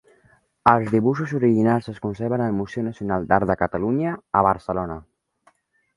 Els dibuixos originals es conserven al Museu Nacional d'Art de Catalunya a Barcelona.